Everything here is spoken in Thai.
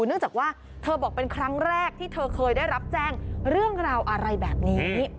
เนื่องจากว่าเธอบอกเป็นครั้งแรกที่เธอเคยได้รับแจ้งเรื่องราวอะไรแบบนี้